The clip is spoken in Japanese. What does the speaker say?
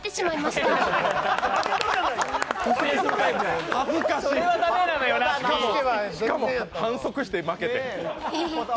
しかも反則して負けって。